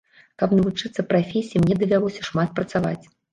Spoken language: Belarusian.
Каб навучыцца прафесіі, мне давялося шмат працаваць.